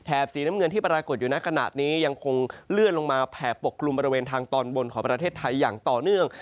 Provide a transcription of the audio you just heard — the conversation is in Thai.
สีน้ำเงินที่ปรากฏอยู่ในขณะนี้ยังคงเลื่อนลงมาแผ่ปกกลุ่มบริเวณทางตอนบนของประเทศไทยอย่างต่อเนื่อง